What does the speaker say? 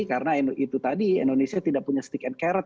karena itu tadi indonesia tidak punya stick and carrot